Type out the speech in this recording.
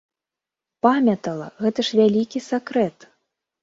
Памятала, гэта ж вялікі сакрэт!